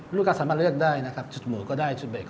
ลูกวาอาศัพท์เรียกได้นะครับชุดหมูก็ได้